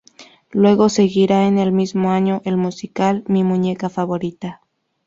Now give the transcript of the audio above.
Luego seguiría en el mismo año el musical "Mi muñeca favorita".